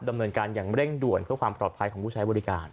ดำเนินการอย่างเร่งด่วนเพื่อความปลอดภัยของผู้ใช้บริการ